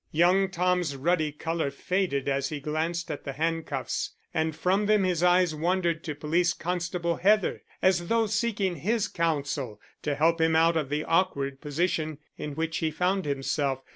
Young Tom's ruddy colour faded as he glanced at the handcuffs, and from them his eyes wandered to Police Constable Heather, as though seeking his counsel to help him out of the awkward position in which he found himself.